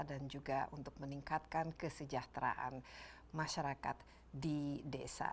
dan juga untuk meningkatkan kesejahteraan masyarakat di desa